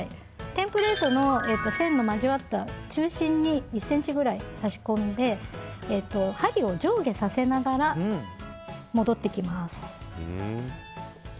テンプレートの線の交わった中心に１ｃｍくらい差し込んで針を上下させながら戻ってきます。